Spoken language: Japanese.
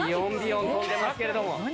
よん跳んでますけれども。